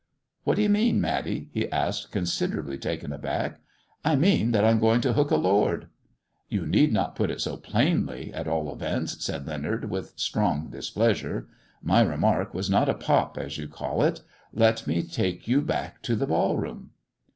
" What do you mean, Matty 1 " he asked, considerably taken aback. "I mean that I'm goin' to hook a Lord." " You need not put it so plainly, at all events," said Leonard, with strong displeasured "My remark was not a pop, as you call it. Let me take you back to the ball room."